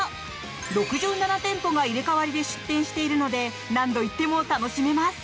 ６７店舗が入れ替わりで出店しているので何度行っても楽しめます。